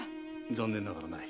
残念ながらない。